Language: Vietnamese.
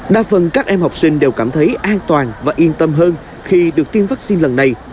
đa phần các em học sinh đều cảm thấy an toàn và yên tâm hơn khi được tiêm vaccine lần này